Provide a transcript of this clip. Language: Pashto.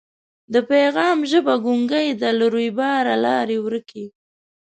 د پیغام ژبه ګونګۍ ده له رویباره لاري ورکي